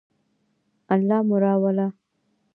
الله مو راوله